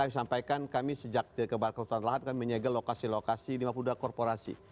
saya sampaikan kami sejak kebar kulturan telahat kami menyegel lokasi lokasi lima puluh dua korporasi